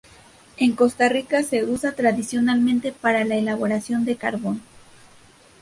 En Costa Rica se usa tradicionalmente para la elaboración de carbón.